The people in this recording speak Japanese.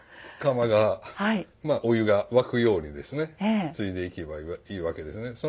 釜がまあお湯が沸くようにですねついでいけばいいわけですね。